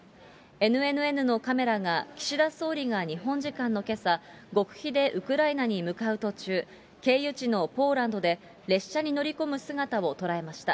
ＮＮＮのカメラが岸田総理が日本時間のけさ、極秘でウクライナに向かう途中、経由地のポーランドで列車に乗り込む姿を捉えました。